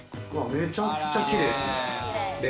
めちゃくちゃキレイですね。